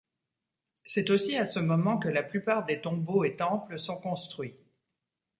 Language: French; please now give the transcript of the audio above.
C'est aussi à ce moment que la plupart des tombeaux et temples sont construits.